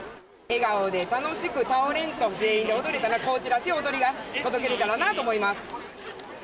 笑顔で楽しく倒れないで、全員で踊れたら、高知らしい踊りを届けれたらなと思います。